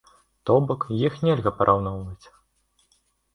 То бок, іх нельга параўноўваць.